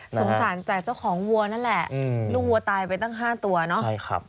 สงสารแต่เจ้าของวัวนั่นแหละลูกวัวตายไปตั้ง๕ตัวเนาะ